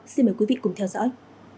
xin mời quý vị cùng theo dõi